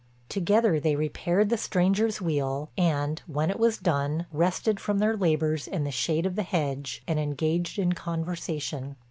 Together they repaired the stranger's wheel, and, when it was done, rested from their labors in the shade of the hedge, and engaged in conversation.